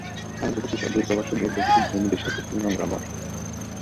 আমি দেখেছি দূর পরবাসে ঢের দেখেছি ধনী দেশের কঠিন নোংরা মন।